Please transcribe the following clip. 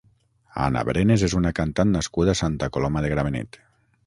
Ana Brenes és una cantant nascuda a Santa Coloma de Gramenet.